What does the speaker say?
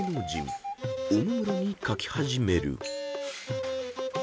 ［おもむろに書き始める］